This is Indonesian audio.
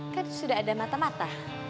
kan sudah ada mata mata